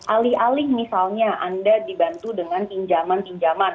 alih alih misalnya anda dibantu dengan pinjaman pinjaman